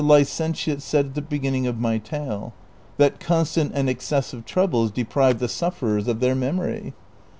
licentiate said at the beginning of my tale, that constant and excessive troubles deprive the sufferers of their memory."